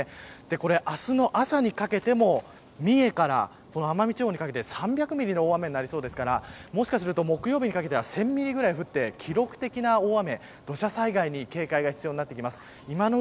これ明日の朝にかけても三重から奄美地方にかけて３００ミリの大雨になりそうですからもしかすると木曜日にかけては１０００ミリぐらい降って記録的な大雨。